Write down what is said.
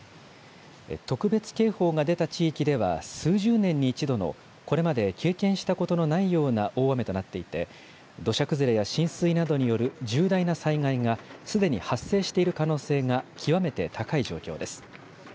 特別警報が出た地域では、数十年に１度のこれまで経験したことのないような大雨となっていて、土砂崩れや浸水などによる重大な災害がすでに発生している可能性が極めて高い状況です。